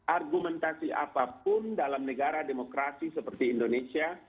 argumentasi apapun dalam negara demokrasi seperti indonesia